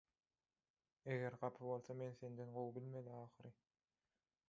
Eger gapy bolsa men senden gowy bilmeli ahyry